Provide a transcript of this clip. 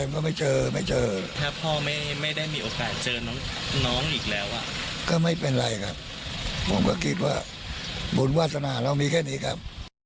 ผมก็คิดว่าบุญวาสนาเรามีแค่นี้ครับ